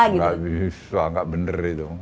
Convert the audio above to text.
gak bisa gak bener itu